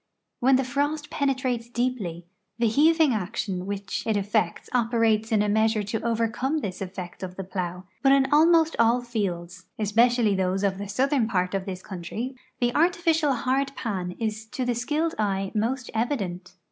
When the frost penetrates deepl.y, the heaving action which it effects operates in a measure to overcome this effect of the jdIow, but in almost all fields, especially those of the southern part of this country, the artificial hard pan is to the skilled eye most evident.